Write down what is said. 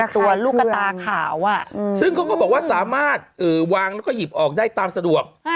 ตัวลูกกระตาขาวซึ่งเขาก็บอกว่าสามารถวางแล้วก็หยิบออกได้ตามสะดวก